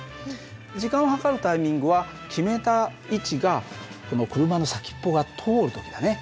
時間を計るタイミングは決めた位置がこの車の先っぽが通る時だね